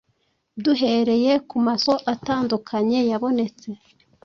Duhereye ku masoko atandukanye yabonetse